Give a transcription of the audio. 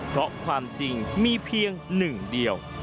เพราะความจริงมีเพียงหนึ่งเดียว